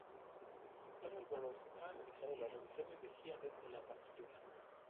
Donald Burrows ha analizado las revisiones de Händel de la partitura.